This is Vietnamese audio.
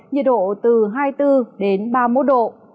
nhiệt độ từ hai mươi bốn đến ba mươi một độ